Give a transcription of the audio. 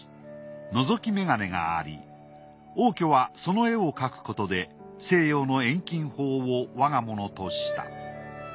のぞき眼鏡があり応挙はその絵を描くことで西洋の遠近法を我がものとした。